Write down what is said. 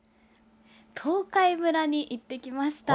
東海村に行ってきました。